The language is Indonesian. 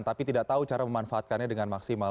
tapi tidak tahu cara memanfaatkannya dengan maksimal